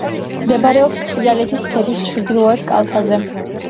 მდებარეობს თრიალეთის ქედის ჩრდილოეთ კალთაზე.